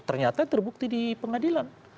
ternyata terbukti di pengadilan